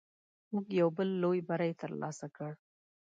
موږ یو بل لوی بری تر لاسه کړ.